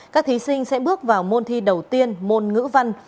các thí sinh sẽ bước vào môn thi đầu tiên môn ngữ văn